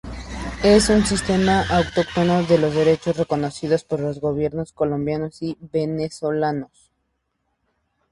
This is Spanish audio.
Es un sistema autóctono de derecho reconocido por los gobiernos Colombiano y Venezolano.